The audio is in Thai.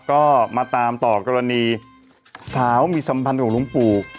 ก็มาตามต่อกรณีสาวมีสัมพันธ์ของหลวงปู่